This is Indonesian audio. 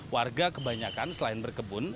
warga kebanyakan selain berkebun